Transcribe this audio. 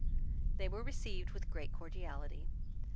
They were received with great cordiality.